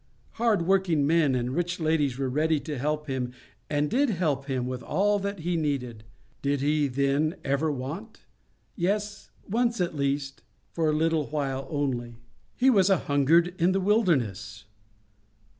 Hard working men and rich ladies were ready to help Him, and did help Him with all that He needed.—Did He then never want? Yes; once at least—for a little while only. "He was a hungered in the wilderness.